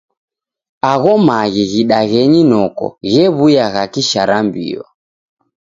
Agho maghi ghidenyi noko ghew'uya gha kisharambio.